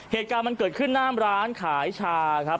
เหตุการณ์มันเกิดขึ้นหน้ามร้านขายชาครับ